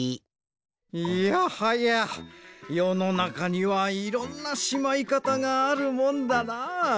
いやはやよのなかにはいろんなしまいかたがあるもんだなあ。